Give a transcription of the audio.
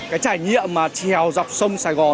cái trải nghiệm mà trèo dọc sông sài gòn